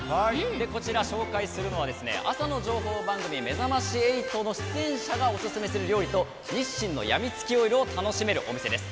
こちら、紹介するのは朝の情報番組「めざまし８」の出演者がオススメする料理と日清やみつきオイルを楽しめるお店です。